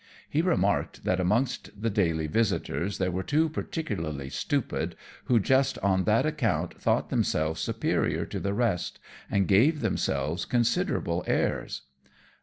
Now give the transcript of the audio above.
He remarked that amongst the daily visiters there were two particularly stupid who just on that account thought themselves superior to the rest, and gave themselves considerable airs.